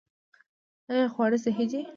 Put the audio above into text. آیا خواړه صحي دي؟